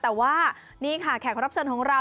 แต่ว่านี่ค่ะแขกรับเชิญของเรา